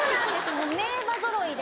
もう名馬ぞろいで。